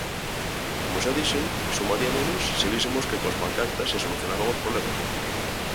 Como xa dixen, sumariámonos se vísemos que coas pancartas se solucionaban os problemas.